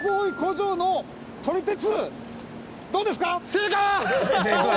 正解！